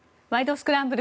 スクランブル」